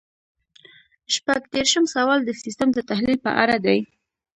شپږ دېرشم سوال د سیسټم د تحلیل په اړه دی.